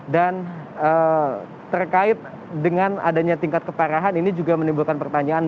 dan terkait dengan adanya tingkat keparahan ini juga menimbulkan pertanyaan